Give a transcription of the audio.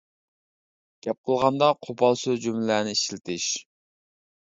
گەپ قىلغاندا قوپال سۆز جۈملىلەرنى ئىشلىتىش.